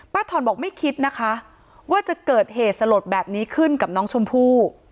ถ่อนบอกไม่คิดนะคะว่าจะเกิดเหตุสลดแบบนี้ขึ้นกับน้องชมพู่